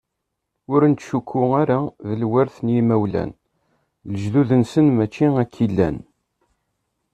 Ur ncuk ara d lwert n yimawlan, lejdud-nsen mačči akka i llan.